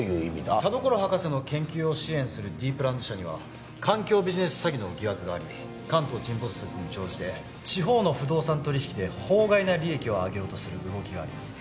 田所博士の研究を支援するＤプランズ社には環境ビジネス詐欺の疑惑があり関東沈没説に乗じて地方の不動産取引で法外な利益を上げようとする動きがあります